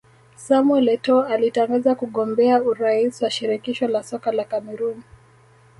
Samuel Etoo alitangaza kugombea urais wa Shirikisho la Soka la Cameroon